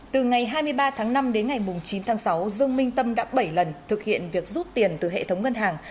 từ ngày hai mươi ba tháng năm đến ngày chín tháng sáu dương minh tâm đã bảy lần thực hiện việc rút tiền từ hệ thống ngân hàng